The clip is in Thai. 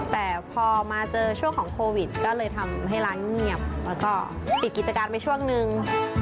แต่พอมาเจอช่วงของโควิดก็เลยทำให้ร้านเงียบแล้วก็ปิดกิจการไปช่วงนึง